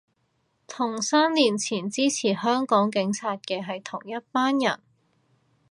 同三年前支持香港警察嘅係同一班人